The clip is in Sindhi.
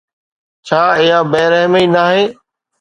ڇا اها بي رحمي ناهي؟